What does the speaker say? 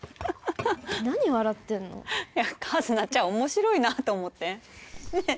何笑ってんのいや一菜ちゃん面白いなと思ってねえ？